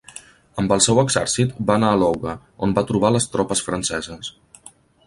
Amb el seu exèrcit, va anar a Louga, on va trobar les tropes franceses.